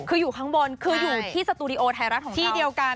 คืออยู่ข้างบนคืออยู่ที่สตูดิโอไทยรัฐของเรา